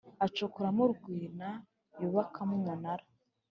acukuramo urwina yubakamo umunara